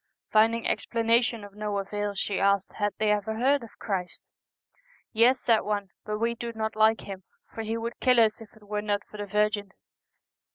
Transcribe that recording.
Finding explanation of no avail, she asked had they ever heard of Christ ?' Yes,' said one ;' but we do not like Him, for He would kill us if it were not for the Virgin.'